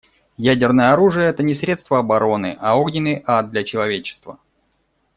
Ядерное оружие − это не средство обороны, а огненный ад для человечества.